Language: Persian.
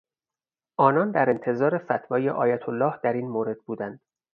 آنان در انتظار فتوای آیتالله در این مورد بودند.